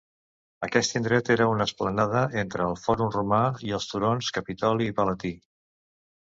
Aquest indret era una esplanada entre el Fòrum Romà i els turons Capitoli i Palatí.